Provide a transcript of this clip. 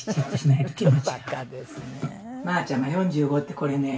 「マーちゃんが４５ってこれね」